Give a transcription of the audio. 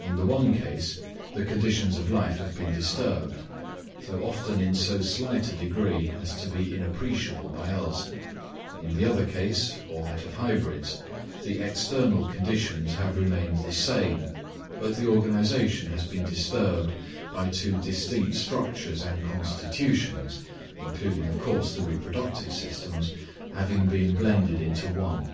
In the one case, the conditions of life have been disturbed, though often in so slight a degree as to be inappreciable by us; in the other case, or that of hybrids, the external conditions have remained the same, but the organisation has been disturbed by two distinct structures and constitutions, including of course the reproductive systems, having been blended into one.